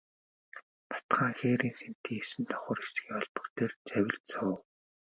Бат хаан хээрийн сэнтий есөн давхар эсгий олбог дээр завилж суув.